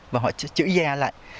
và họ sẽ chữ da lại